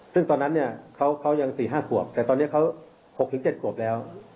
ซึ่งตอนนั้นเนี่ยเขายัง๔๕ขวบแต่ตอนนี้เขา๖๗ขวบแล้ว